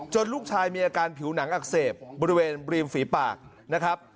ลูกชายมีอาการผิวหนังอักเสบบริเวณริมฝีปากนะครับ